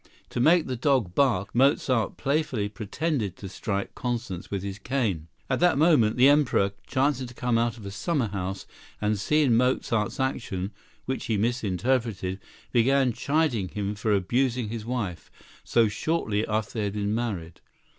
To make the dog bark, Mozart playfully pretended to strike Constance with his cane. At that moment the Emperor, chancing to come out of a summer house and seeing Mozart's action, which he misinterpreted, began chiding him for abusing his wife so shortly after they had been married.